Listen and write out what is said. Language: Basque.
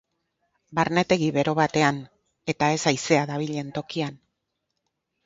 Barnetegi bero batean, eta ez haizea dabilen tokian.